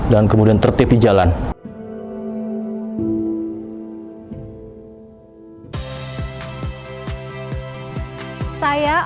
dan kemudian tertipi jalannya